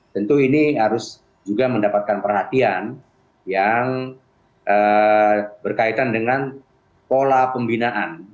tentu ini harus juga mendapatkan perhatian yang berkaitan dengan pola pembinaan